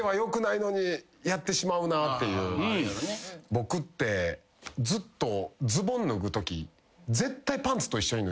僕ってずっと。えっ？